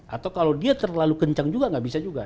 atau kalau dia terlalu kencang juga nggak bisa juga